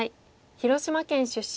広島県出身。